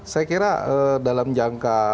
saya kira dalam jangka